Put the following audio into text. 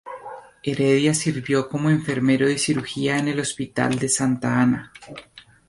Heredia sirvió como enfermero de cirugía en el Hospital de Santa Ana.